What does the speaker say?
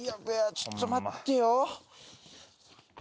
ちょっと待って。